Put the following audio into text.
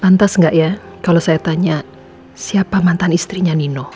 pantas nggak ya kalau saya tanya siapa mantan istrinya nino